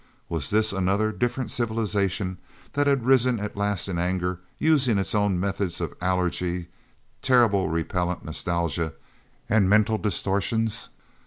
Was this another, different civilization, that had risen at last in anger, using its own methods of allergy, terrible repellant nostalgia, and mental distortions?